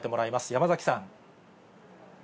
山崎さん。